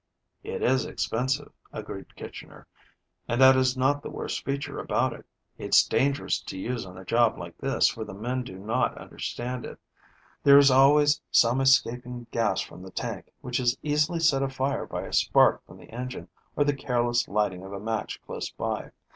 "It is expensive," agreed Kitchner, "and that is not the worst feature about it. It's dangerous to use on a job like this, where the men do not understand it. There is always some escaping gas from the tank, which is easily set afire by a spark from the engine or the careless lighting of a match close by.